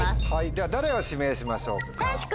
では誰を指名しましょうか？